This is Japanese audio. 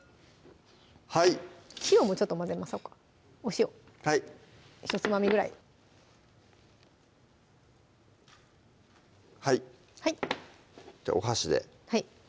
はい塩もちょっと混ぜましょうかお塩はいひとつまみぐらいじゃあお箸ではい